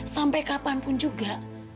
sampai kapanpun juga